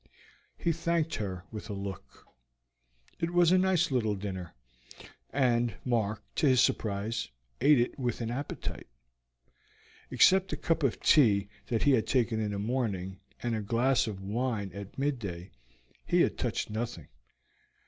He thanked her with a look. It was a nice little dinner, and Mark, to his surprise, ate it with an appetite. Except the cup of tea that he had taken in the morning, and a glass of wine at midday, he had touched nothing.